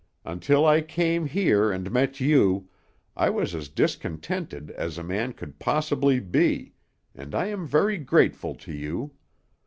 Until I came here and met you, I was as discontented as a man could possibly be, and I am very grateful to you.